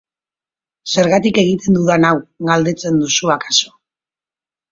Zergatik egiten dudan hau, galdetzen duzu akaso.